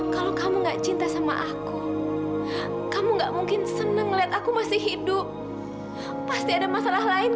kalau kamu nggak cinta sama aku kamu gak mungkin seneng ngeliat aku masih hidup pasti ada masalah lain